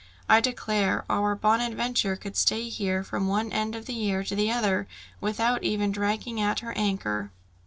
I declare our Bonadventure could stay here from one end of the year to the other, without even dragging at her anchor!"